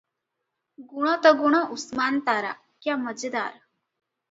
ଗୁଣ ତଗୁଣ ଉସ୍ମାନ୍ ତାରା – କ୍ୟା ମଜେଦାର!